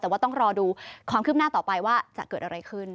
แต่ว่าต้องรอดูความคืบหน้าต่อไปว่าจะเกิดอะไรขึ้น